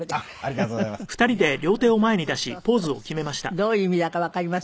どういう意味だかわかりませんが。